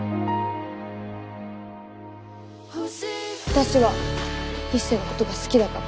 私は一星の事が好きだから。